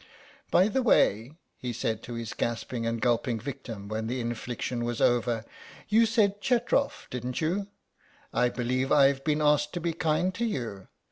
"By the way," he said to his gasping and gulping victim when the infliction was over, "you said Chetrof, didn't you? I believe I've been asked to be kind to you.